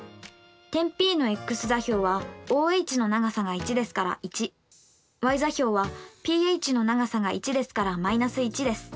点Ｐのｘ座標はＯＨの長さが１ですから１ｙ座標はＰＨの長さが１ですから−１です。